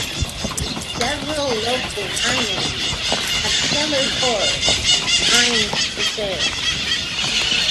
Several local wineries have 'cellar doors' with wines for sale.